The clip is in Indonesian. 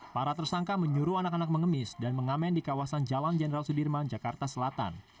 para tersangka menyuruh anak anak mengemis dan mengamen di kawasan jalan jenderal sudirman jakarta selatan